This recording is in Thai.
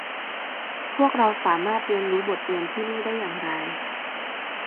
พวกเราสามารถเรียนรู้บทเรียนที่นี่ได้อย่างไร